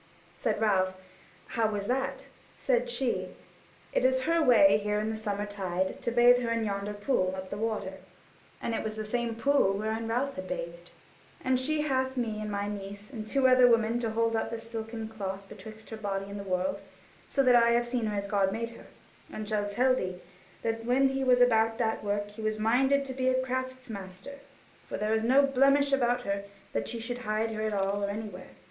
Said Ralph, "How was that?" Said she: "It is her way here in the summer tide to bathe her in yonder pool up the water:" (and it was the same pool wherein Ralph had bathed) "And she hath me and my niece and two other women to hold up the silken cloth betwixt her body and the world; so that I have seen her as God made her; and I shall tell thee that when he was about that work he was minded to be a craftsmaster; for there is no blemish about her that she should hide her at all or anywhere.